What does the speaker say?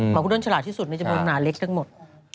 หมาพุดด้นฉลาดที่สุดมันจะมีมนาเล็กทั้งหมด